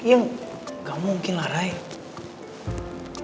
enggak mungkin lah raya